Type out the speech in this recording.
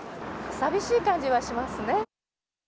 寂しい感じはしますね。